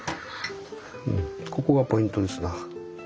うんここがポイントですな。